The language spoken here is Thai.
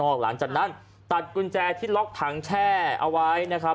หลังจากนั้นตัดกุญแจที่ล็อกถังแช่เอาไว้นะครับ